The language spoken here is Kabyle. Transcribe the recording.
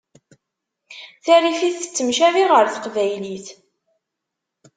Tarifit tettemcabi ɣer teqbaylit.